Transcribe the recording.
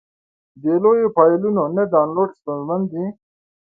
د لویو فایلونو نه ډاونلوډ ستونزمن دی.